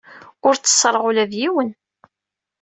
Ur tteṣṣreɣ ula d yiwen.